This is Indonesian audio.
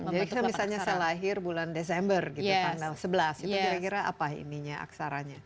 jadi misalnya saya lahir bulan desember gitu kan sebelas itu kira kira apa ininya aksaranya